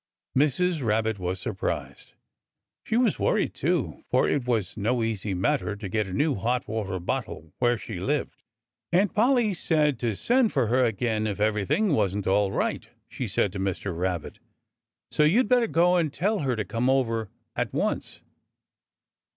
Mrs. Rabbit was surprised. She was worried, too, for it was no easy matter to get a new hot water bottle where she lived. "Aunt Polly said to send for her again if everything wasn't all right," she said to Mr. Rabbit. "So you'd better go and tell her to come over at once."